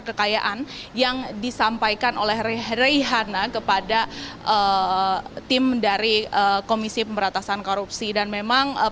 kekayaan yang disampaikan oleh reihana kepada tim dari komisi pemberantasan korupsi dan memang